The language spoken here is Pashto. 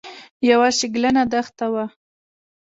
یوه شګلنه دښته وه.